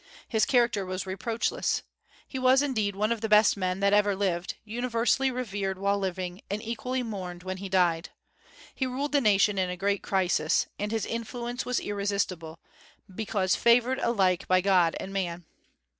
His character was reproachless. He was, indeed, one of the best men that ever lived, universally revered while living, and equally mourned when he died. He ruled the nation in a great crisis, and his influence was irresistible, because favored alike by God and man.